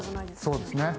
そうですね。